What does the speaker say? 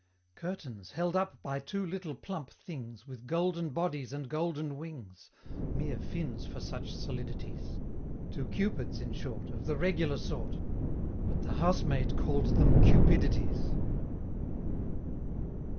Curtains, held up by two little plump things, With golden bodies and golden wings, Mere fins for such solidities Two cupids, in short, Of the regular sort, But the housemaid call'd them "Cupidities."